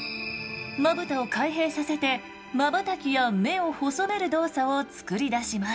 まぶたを開閉させてまばたきや目を細める動作を作り出します。